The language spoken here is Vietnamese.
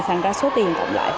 thành ra số tiền cộng lại